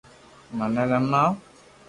مني رماوُ